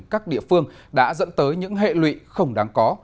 các địa phương đã dẫn tới những hệ lụy không đáng có